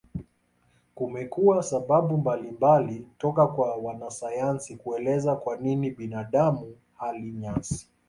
Kumekuwa sababu mbalimbali toka kwa wanasayansi kuelezea kwa nini binadamu hali nyasi.